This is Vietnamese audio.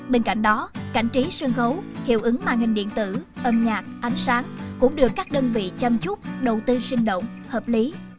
bên cạnh đó cảnh trí sân khấu hiệu ứng màn hình điện tử âm nhạc ánh sáng cũng được các đơn vị chăm chút đầu tư sinh động hợp lý